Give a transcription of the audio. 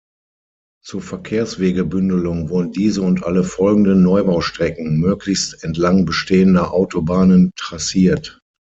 Zur Verkehrswegebündelung wurden diese und alle folgenden Neubaustrecken möglichst entlang bestehender Autobahnen trassiert.